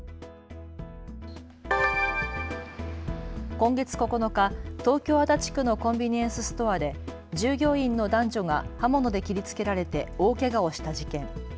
今月９日、東京足立区のコンビニエンスストアで従業員の男女が刃物で切りつけられて大けがをした事件。